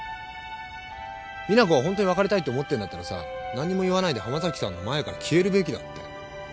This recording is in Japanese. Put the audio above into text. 実那子が本当に別れたいって思ってるんだったらさ何も言わないで濱崎さんの前から消えるべきだったよ。